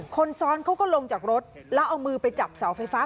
คนซ้อนเขาก็ลงจากรถแล้วเอามือไปจับเสาไฟฟ้า